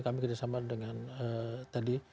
kami bersama dengan tadi